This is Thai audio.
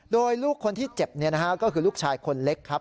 โดยลูกคนที่เจ็บก็คือลูกชายคนเล็กครับ